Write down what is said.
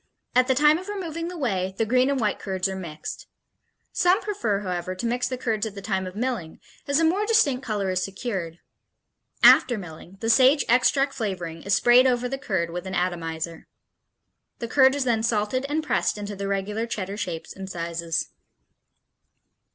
At the time of removing the whey the green and white curds are mixed. Some prefer, however, to mix the curds at the time of milling, as a more distinct color is secured. After milling, the sage extract flavoring is sprayed over the curd with an atomizer. The curd is then salted and pressed into the regular Cheddar shapes and sizes.